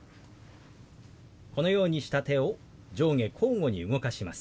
このようにした手を上下交互に動かします。